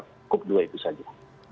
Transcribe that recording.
cukup dua itu saja